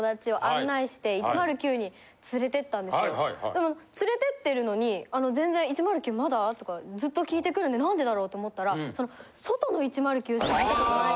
でも連れてってるのに全然。とかずっと聞いてくるんで何でだろうと思ったら外の１０９しか見たことない。